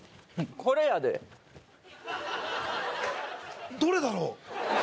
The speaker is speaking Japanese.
これやでどれだろう